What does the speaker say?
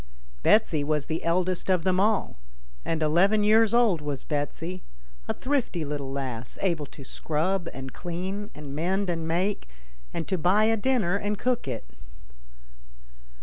Betsy was the eldest of them all, and eleven years old was Betsy, a thrifty little lass, able to scrub and clean, and mend and make, and to buy a dinner and cook it.